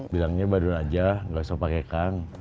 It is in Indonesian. bilangnya badrun aja nggak usah pake kang